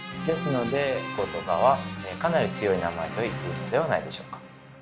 ですので「ご」と「が」はかなり強い名前と言っていいのではないでしょうか。